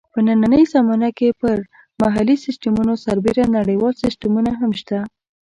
په نننۍ زمانه کې پر محلي سیسټمونو سربېره نړیوال سیسټمونه هم شته.